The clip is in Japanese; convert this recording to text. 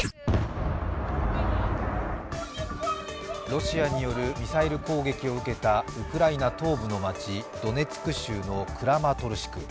ロシアによるミサイル攻撃を受けたウクライナ東部の町ドネツク州のクラマトルシク。